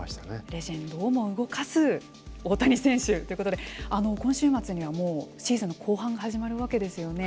レジェンドをも動かす大谷選手ということで今週末にはシーズンの後半が始まるわけですよね。